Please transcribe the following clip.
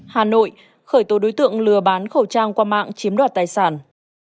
hà nội khởi tố đối tượng lừa bán khẩu trang qua mạng chiếm đoạt tài sản